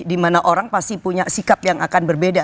dimana orang pasti punya sikap yang akan berbeda